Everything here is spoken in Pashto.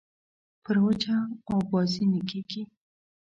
پر وچه اوبازي نه کېږي.